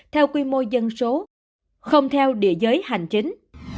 theo quy mô dân số không theo địa giới hành chính